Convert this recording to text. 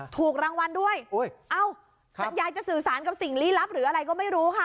ถูกรางวัลด้วยเอ้ายายจะสื่อสารกับสิ่งลี้ลับหรืออะไรก็ไม่รู้ค่ะ